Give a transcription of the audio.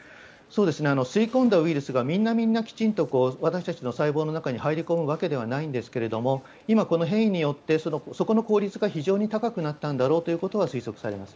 吸い込んだウイルスがみんなみんなきちんと私たちの細胞の中に入り込むわけではないんですけれども今、この変異によってそこの効率が非常に高くなったんだろうということは推測されます。